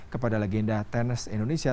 kepada legenda tenis indonesia